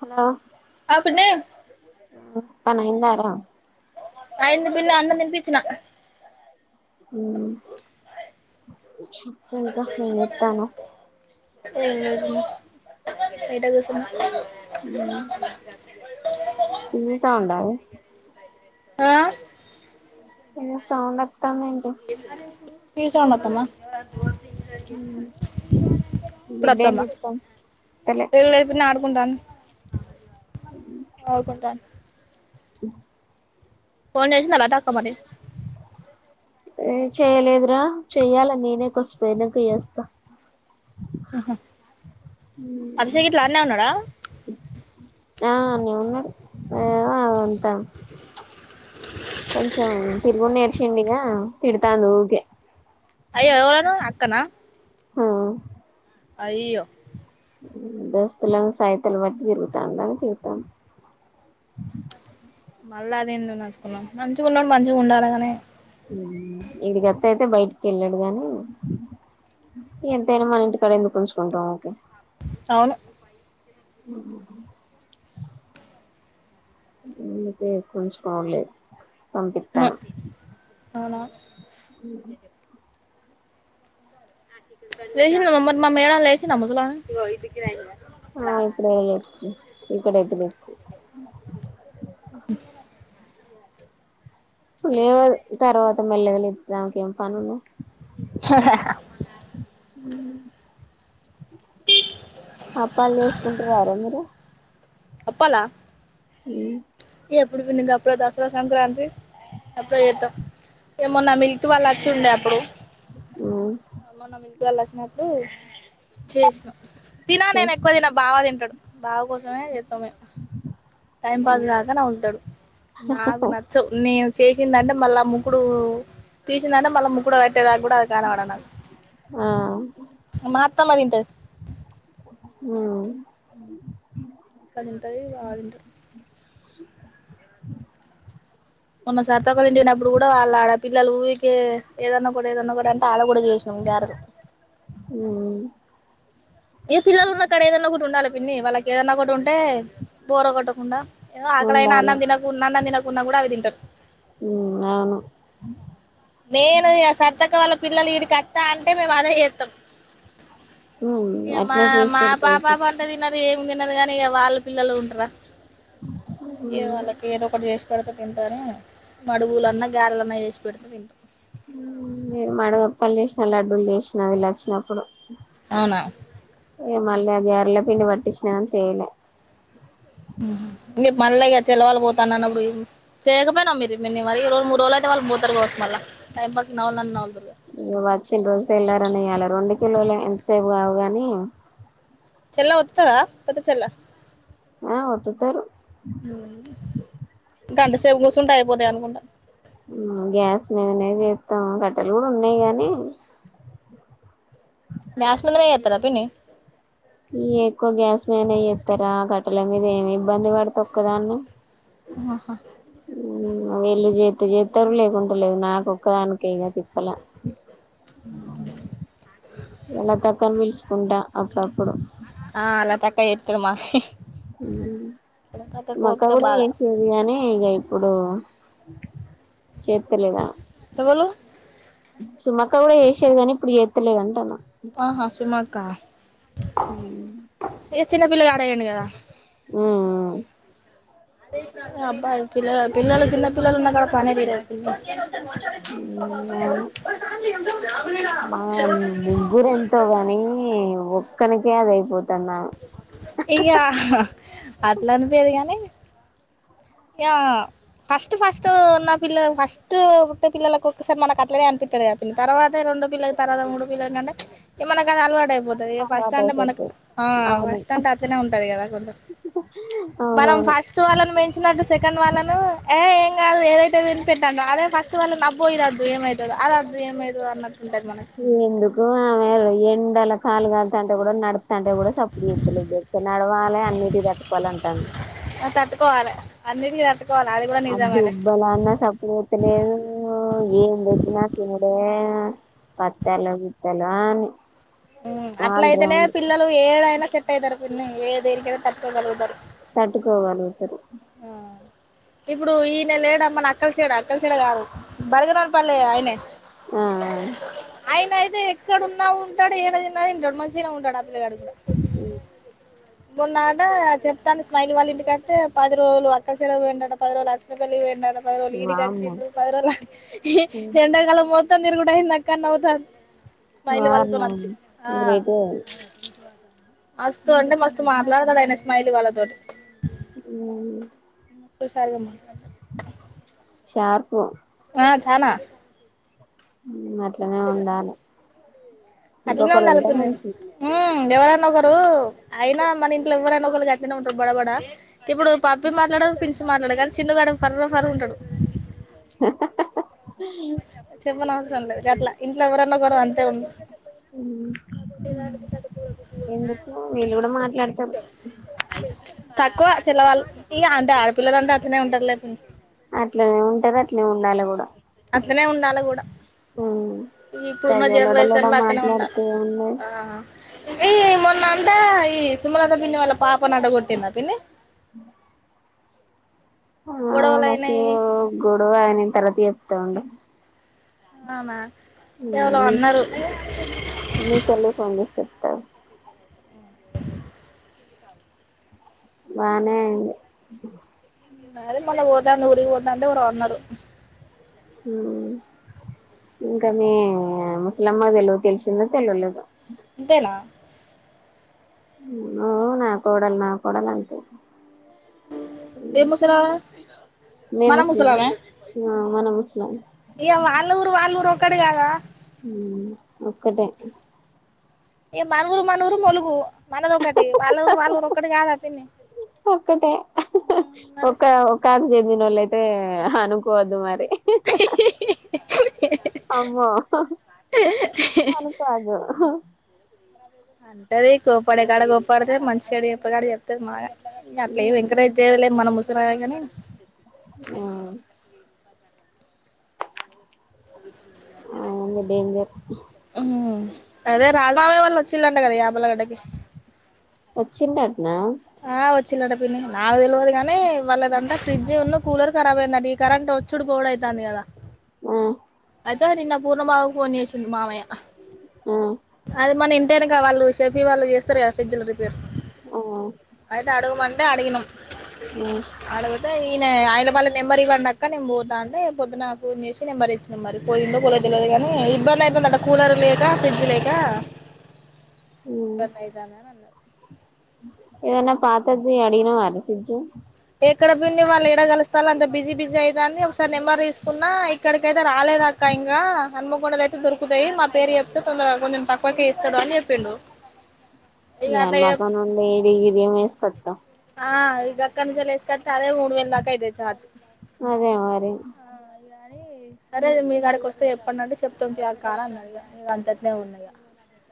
Hello అపున్న పనైందార అయింది పిల్ల అన్నం తినిపిచ్చినా మ్ చెప్పింక ఏం చెత్తన్నావ్ ఏ [unintelligible] ఏట కుసున్నావ్ మ్మ్ తింటాండా ఆ ఏం చెస్తాండవ్ తీసాం అత్తమ్మ ఇప్పుడు బిడ్డ ఏం అత్తమ్మా చెప్తాంది వత్తలే ఇనాడు గుండం ఆడుకుంటాంది [inaudible] ఫోన్ చేసిందా లతక్క మరి ఏ చేయలేదురా చెయ్యాల నేనే కొద్ది సేపు ఉన్నాక చేస్తా హ అభిషేక్ గిట్లా ఆన్నే ఉన్నాడా ఆ ఆన్నే ఉన్నాడు ఆ ఉంటాం కొంచం తిరుగు నేర్షిండిగా తిడుతాండు ఊరికే అయ్యో ఎవరూ అక్కనా ఉమ్ అయ్యో దోస్తులం సైతలు వట్టి తిరుగుతాంద అని తిడతాంది [inaudible] మళ్ళ అదేందోనచ్చుకున్నాం నంచుకున్నప్పుడు మంచిగా ఉండాలగానే ఇడి గత్తే అయితే బయటికి వెళ్ళాడు గాని ఎంతైనా మన ఇంటి కాడ ఎందుకు ఉంచుకుంటాం ఊరకే అవును ఉమ్ ఇ ఇదే కొంచెం కోలేదు పంపిస్తాను అవునా ఉమ్ లేసిన మరి మా మే లేేసిన ముందట ఆ ఇప్పుడే లేచింది ఇక్కడ అతు [inaudible] లేదు తర్వాత మెల్లగా లేతుంది ఆమెకేమి పనుంది హాహా అప్పాలు చేసుకుంటార మీరు అప్పాలా హ్మ్ ఇ ఎప్పుడు పిండి అప్పుడు దసరా సంక్రాంతికి అప్పుడు ఏత్తం ఏమన్నా మిల్క్ వాళ్ళు వచ్చి ఉండే అప్పుడు మ్మ్ మొన్న మిల్క్ వాళ్ళు వచ్చారు చేసినా తినా నేను ఎక్కువ తిన బావా తింటాడు బావ కోసమే చేద్దమనే [inaudible] టైం పాస్ కాక నముళ్తాడు నాకు నచ్చవు నేను చేసిందంటే మళ్ళా ముకుడు తీసిందంటే మళ్ళా ముక్కుడు పెట్టే దాకా కూడా అది కనపడ నాకు ఆ మాత్తమ్మా తింటారు హ్మ్ ఆ ఇంకా తింటయి బాగా తింటుంది మొన్న సరితక్క ఇంటికి పోయినప్పుడు కూడా వాళ్ళ ఆడ పిల్లలు ఊరికే ఏదన్నా కూడా ఏదన్నా కూడా అంటే ఆడ కూడా చేసారు బంగారు హ్మ్ ఏ పిల్లలు ఉన్నక్కడ ఏదన్నా ఒకటి ఉండాలి పిన్ని వాళ్ళకి ఏదన్నా ఒకటి ఉంటే బోర్ కొట్టకుండా ఏదో ఆకలైన ఉండాలి అన్నంతతినకు అన్న తినకుంన్నా కూడా అవి తింటారు ఉమ్ అవును నేను ఇగ సారితక్క వాళ్ళ పిల్లలు ఇడి కి అత్త అంటే మేముఅదే చేస్తాం మ్మ్ ఇ మా అట్నే చేసి మా పెడితే పాప అయిపోతది పంటే తినదీ తినది కాని వాళ్ళ పిల్లలు ఉంటరా ఏ వాళ్ళకి ఏదో ఒకటి చేసి పెడుత తింటాను మడుగులన్నా గారలన్నా వేసి పెడుతే తింటారూ ేను మడగప్పలు చేసినా లడ్డూలు చేసినా వీళ్ళ వచ్చినప్పుడు అవునా మళ్లీ గార్ల పిండి పట్టించిన కానీ చెయ్యలే మీరు మళ్ళీగా చల్లవళ పోతాను అన్నప్పుడు చేయకపోయినావు మీరు మ మరి ఈ రెండు మూడు రోజులు అయితే వాళ్ళు పోతరు కావచ్చు మల్లా టైమ్ పడితే [unintelligible] నువ వచ్చిన రోజుక వెళ్లారనియ్యాలి రెండు కిలోలు ఎంతసేపు కావు గాని చెల్ల ఒత్తుతదా పెద్ద చెల్ల ఆహ్ ఒత్తుతారు పోదే అనుకంటా గ్యాస్ మీదనేది చేస్తాము కట్టెలు కూడా ఉన్నాయి గానీ గ్యాస్ మీదనే చేస్తారా పిన్నీ ఈ ఎక్కువ గ్యాస్ మన్ అయ చెేస్తారా కట్టల మీద ఏమి ఇబ్బంది పడత ఒక్కదాన్ని ఆహా వెళ్ళు చే చేస్తారు లేకుంటలేదు నాక ఒక్కదానిక ఇక తిప్పల లతక్కా ను పిల్చుకుంటా అప్పుడుప్పుడు ఆహ్ లతక్కా చేస్తదీ మా ఉమ్ మా అక్క కూడా బాగా చేసింది కానీ ఇక ఇప్పుడు చెత లేనా ఎవలు సుమక్క కూడా చేసేది కానీ ఇప్పుడు చేత్తలేదా అంటున్న ఆహా సుమాక్క ఉమ్ ఏ చిినన్న పిలగా ఉమ్ అబ్ా పిల్ పిల్లలు చిన్న పిల్లలు ఉన్న కడ పనే తీరదు ఉమ్ అవును మా ముగ్గుర ఎంతోగాని ఒక్కలకే అదియిపోతు ఇగ అట్లా అట్లనిపోయాదు కాని ఇగ ఫస్ట్ ఫస్ట్ ఉన్న పిల్లలు ఫస్ట్ ఫస్ట్ పుట్టే పిల్లలకు ఒకసారి మనకు అట్లేద అనిపిస్తుంది కద తర్వాత రెండో పిల్ల తర్వాత మూడ పిల్లను కంటే మనకు అది అలవాటు అయిపోతుంది ఇక ఫస్ట్ అలవాటు అంటే మనకు అయిపోతది ఆ అవును ఫస్ట్ అంటే అతనే ఉంటంది కదా కొంచెం మనం అవునవును ఫస్ట్ వాళ్ళని పెంచి వచ్చినట్టు సెకండ్ వాళ్ళను ఏ ఏం కాదు ఏదైతే వినిపెట్టాండో అదే ఫస్ట్ వాళ్ళ నబ్బ పోయరద్దు ఏమవుతుందో ఆది వద్ద ఏమైతేదీ అనట్టు ఎందుకు ఆమె ఎండలకు కాలు కాంటే కూడా నడుపుతంటే కూడా స ప్పుడు చేదులే నడవాలి అన్నిటి తట్టు కోవలే అంటాను తట్టుకోవాలె అన్నిటికి తట్టు అది ఉబ్బల అన్నసప్పుడు చెయ్యలేదు ఏం పెట్టిన తినుడే పచ్చడ్లు గిచ్చట్లు అన్ని అట్లయితేనే పిల్లలు ఏడైనా సెట్ అయితరు పిన్ని, ఏ దేనికైనా తట్టుకోగలుగుతరు. తట్టుకోవాలె ఇద్దరు. ఇప్పుడు ఈయన లేడ మన అక్కలసేడ, అక్కలసేడ గాదు. బడగరాజు పల్లే ఆయనే. ఆ ఆయన అయితే ఎక్కడున్నా ఉంటడు. ఏడ తిన్నా తింటడు, మంచిగనే ఉంటడు ఆ పిల్లగాడు కూడ. ఉ మొన్నాట చెప్తాంది స్మైలీ వాళ్ళ ఇంటికత్తే పది రోజులు అక్కచెలకు పోయిండట, పది రోజులు అర్షపెళ్లికి పోయిండ ట పదిరోజులు ఈడికి వామ్మో అచ్చిండు. పది రోజులు ఆ ఎఎండకాలం మొ త్తంతిరుగుడయింది అక్కాఅని నవ్వుతాంది. స్మైలీ వామ్మో వాళ్ళతోని అచ్చింది. ఆ గ్రేటే మస్తు అంటే మస్తు మాట్లాడతడు ఆయనే స్మైలీ వాళ్ళతోటి. ఉ [unintelligible] షార్పు నా చానా హ్మ్ అట్లనే ఉండాలే. అట్లనే ఉండాలె పిన్ని హ్మ్ ఎవరను నొకరు అయినా మన ఇంట్లో ఎవ్వరైనా ఒకలు గట్లనే ఉంటరు బడబడా. ఇప్పుడు పప్పి మాట్లాడదు పిలిసి మాట్లాడదు కానీ చిన్నుగాడు ఫర్రా ఫర్రా ఉంటడు. చెప్పనవసరం లేదు గట్లా. ఇంట్లో ఎవరన్నా ఒకరు అంతే ఉం ఎందుకు వీళ్ళు కూడా మాట్లాడతరు. తక్కువ చెల్లవాళ్ళు ఇగ అంటే ఆడపిల్లలంటే అట్లనే ఉంటరులే పిన్ని. అట్లనే ఉంటరు, అట్లనే ఉండాలె కూడా. అట్లనే ఉండాలె కూడా. ఈ ఇప్పుడున్న తెగలోడలోడ జనరేషన్ల అట్లనే మాట్లాడితే ఉండాలే. ఏమున్నది ఆ ఇవి మొన్న అంటా ఈ సుమలత పిన్నీ వాళ్ళ పాపనాట కొట్టిల్లా పిన్నీ. ఆ గొడవలు మాకు అయినాయి గొడవ అయిన తర్వాత చెప్తా ఉండే. అవునా ఎవలో అని అన్నారు మీ చెల్లకు ఫోన్ చేసి చెప్తా ఆగు. బానే అయింది. అదే మొన్న పోతాండు ఊరికి పోతాంటే ఎవురో అన్నరు. మ్మ్ ఇంకా మీ ముస్లమ్మకి తెలిశిందో తెలవలేదో. ఇంతేనా ఓ నా కోడలు, నా కోడలు అంటది. ఎ ముసలామే? మీ మన ముసలమ్మ ముసలామే. మన ముసలమ్మ ఇహా వాళ్ళూరు వాళ్ళూరు ఒక్కటి కాదా. హ్మ్ ఒక్కటే. ఏ మనూరు మనూరు ములుగు మనదొకటి. వాళ్ళూరు వాళ్ళూరు ఒక్కటి కాదా పిన్ని. ఒక్కటే మరి ఒక ఒక ఆకు కు చెందినోళ్ళైతే అనుకోవద్దు మరి. [unintelligible] అమ్మో అనుకోవద్దు. అంటది కోప్పడే కాడ కోప్పడితే మంచిగాడు చెప్పకడా చెప్తది మాగా ఇంక అట్లే ఏమి ఎంకరేజ్ చేయం మనం ముసిలొలాం కాని ఆ అవును డేంజర్ మ్మ్ అదే రాజామామయ వాళ్ళ వచ్చిళ్ళంట కదా యాభలగడ్డకి వచ్చిండంటనా చిల్లడ పిన్నీ నాకు తెలివదు కానీ వాళ్ళదంతా ఫ్రిడ్జ్ను కూలర్ కరాబ్ అయిందంట ఈ కరెంట్ వచ్చుడు పోవడైతాంది తాంది కదా మ్మ్ అయితే నిన్న పూర్ణమామ ఫోన్ చేసిండు మామయ్య ఆ అదే మన టేనుక వాళ్ళు షేఫీ వాళ్ళు చేస్తారు కదా ఫ్రిడ్జ్లు రిపేర్ ఆ అయితే అడగమంటే అడిగినం అడుగితే ఈయన ఆయన వాళ్ళ నెంబర్ ఇవ్వండి ఆ క్క నేం పోతా అంటే పొద్దున ఫోన్ చేసి నెంబర్ ఇచ్చినాం మరి పోయిండో పోలే తెలవదు కానీ ఇబ్బందయితుందట కూలర్ లేక ఫ్రిడ్జ్ లేక ఇబ్బందైతాందని అన్నారు ఏదన్న పాతది అడిగానవారా ఫ్రిడ్జ్ ఎక్కడ పిని వాళ్ళు ఎడగలుస్తారు అంత బిజీ బిజీ అవుదా అని ఒకసారి నెంబర్ తీసుకున్నా ఇక్కడికైతే రాలే దక్క ఇంకా హన్మకొండలు అయితే దొరుకుతాయి మా పేరు చెప్తే తొందర కొంచెం తక్కువక ఇస్తాడు అని చెప్పిండు ఇక ఎ అట్లా చెప్ మాకు మడిగిరి ఇదే మస్ కొత్త ఆ ఇది అక్క నుంచిసుకట్ తరే ఓర్వల్ దాకా అయితది ఛార్జ్ అదే మరి అని సరే మీ గడికి వస్తే చెప్పండి అంటే చెప్తాంలే అక్క అన్నాడు ఇగ ఇంగ అంతటినే ఉన్నాయి ఇగ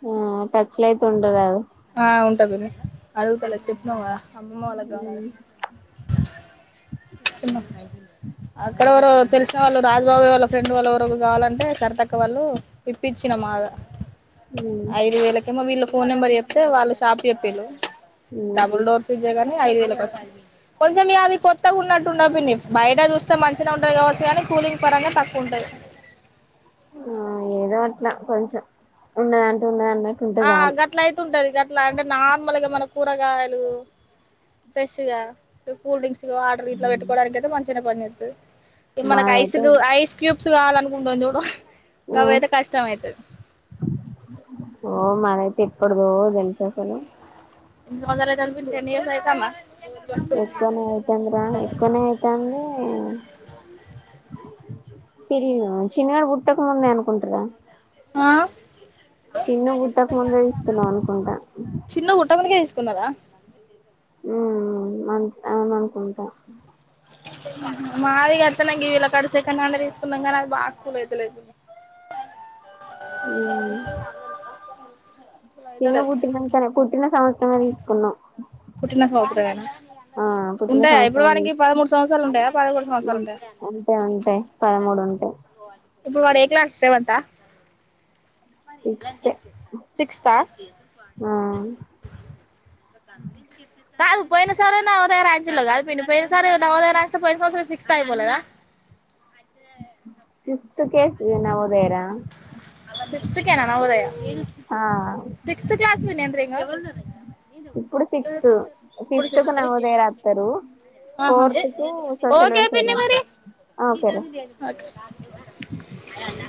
ఆ టచ్చలైతు ఉండరురాదు ఆ ఉంటా పిని అడుగుతలా చెప్పన్నాం కదా మలాగాాల ఉమ్ అక్కడెవరు తెలిసిన వాళ్ళు రాజబాబ వాళ్ళ ఫ్రెండ్ వాళ్ళు ఎవర కావాలంటే కర్తక్క వాళ్ళు ఇప్పించినం మా ఉమ్ ఐదు వేలకేమో వీళ్ళ ఫోన్ నెంబర్ చెప్తే వాళ్ళ షాప్ చెపిల్లు ఉమ్ డబుల్ డోర్ ఫ్రిజే గానీ ఐదు వేల కి వచ్చి కొంచెం ఇ అవి కొత్తగా ఉన్నట్టుండిన్ని బయట చూస్తే మంచిగా ఉంటది కావచ్చు కానీ కూలింగ్ పరంగా తక్కువ ఉంటది ఆ ఏదో అట్లా కొంచెం ఉండదంటూ ఉండదంటే ఆ గట్ల అయితు ఉంటది గట్ ఇట్లా అంటే నార్మల్ గా మన కూరగాయలు ఫ్రెష్ గా కూల్ డ్రింక్స్ డర్ ఇ పెట్టుకోడానికి అయితే మంచిగానే పని చేస్తాది మనకి మాదైతే ఐస్లు ఐస్ క్యూబ్ స్ కావాలనుకుంటు చూడు ఆ అవి అయితే కష్టం అయితది ఓహ మరైతే ఎప్పుడదో తెలుసు అసలు ఎన్ని సంచారాలు అయితంది టెన్ ఇయర్స్ అయితంద ఎక్కువనే అవుతుంది రా ఎక్కువనే అయితంది పెరి చిన్నగాడ పుట్టక ముందే అనుకుంటారా ఆ చిన్న గుుట్టక ముందే ఇస్తున్నాం అనుకుంటా చెకున్నారా మ్మ్ అ అవును అనుకుంటా ఆ మాదిగా అస్తన వీళ్ళ కాడ సెకండ్ హ్యాండ్ తీసుకున్నాం కానీ అది బాగాకుల్ అయితలేదు హ్మ్ కూల్ చిన్న అయితలేదు పుట్టిన పుట్టిన సంవత్సరమే తీసుకున్నా పుట్టిన సంవత్సరమేనా ఆ పుట్టిన ఉంటాయా ఇప్పుడు సంవత్సరమె వానికి పదమూడు సంవత్సరాలు ఉంటాయా పదకొండు సంవత్సరాలు ఉంటాయా ఉంటే ఉంటయి పదమూడు ఉంటయి ఇప్పుడు వాడు ఏ క్లాస్ సెవెంతా మరి చెా సిక్స్త్ సిక్స్ా ఆ కధ చెప్ప కాదు పోయిన సరే నవదయర అంచలో కాదు ప పోయిన సరే నవోదయస్త పోయిన సంవసం సిక్స్స్తాయి మలేద ఫిఫ్త్ కేసు న ఉదయరా సిక్త్ కేనా హదయ ఆ సిక్స్త్ జాస్మని అన్ ఇప్పుడు సిక్స్త్ ఇప్పుడు సిక్్త్ త సిక్స్త్ నవోదయ రాస్తారు ఆహా ఫోర్త్ కు సోషల్ ఓకే వెల్ఫేర్ పని మరి రాస్తారు ఓకేరా అనా